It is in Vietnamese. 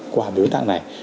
qua biểu tạng này